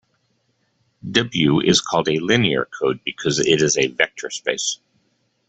"W" is called a linear code because it is a vector space.